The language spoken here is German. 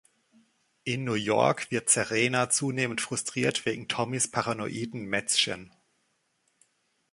In New York wird Serena zunehmend frustriert wegen Tommys paranoiden Mätzchen.